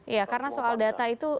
iya karena soal data itu